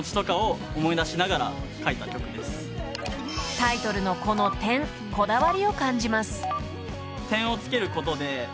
［タイトルのこの「、」こだわりを感じます］